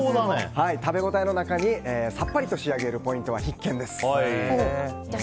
食べ応えの中にさっぱりと仕上げるポイントは必見です。